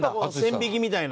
線引きみたいな。